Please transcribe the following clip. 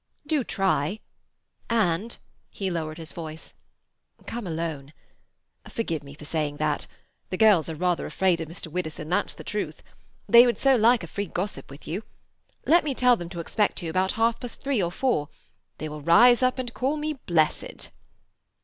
"Do try, and"—he lowered his voice—"come alone. Forgive me for saying that. The girls are rather afraid of Mr. Widdowson, that's the truth. They would so like a free gossip with you. Let me tell them to expect you about half past three or four. They will rise up and call me blessed."